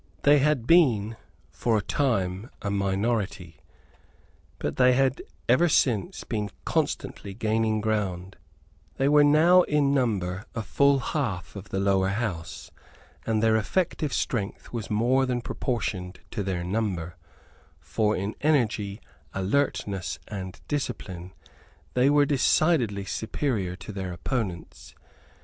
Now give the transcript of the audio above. They had been, for a time, a minority; but they had ever since been constantly gaining ground; they were now in number a full half of the Lower House; and their effective strength was more than proportioned to their number; for in energy, alertness and discipline, they were decidedly superior to their opponents.